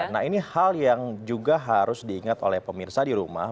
nah ini hal yang juga harus diingat oleh pemirsa di rumah